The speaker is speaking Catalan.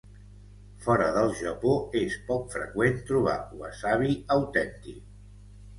Fora del Japó, és poc freqüent trobar wasabi autèntic.